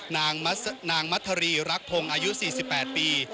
นางมัธรีรักพงศ์อายุ๔๘ปี